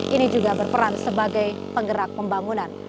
ini juga berperan sebagai penggerak pembangunan